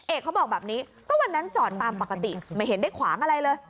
เขาบอกแบบนี้ก็วันนั้นจอดตามปกติไม่เห็นได้ขวางอะไรเลย